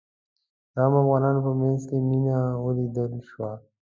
د عامو افغانانو په منځ کې مينه ولیدل شوه.